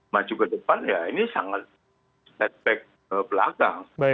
maju ke depan ya ini sangat setback belakang